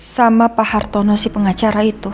sama pak hartono si pengacara itu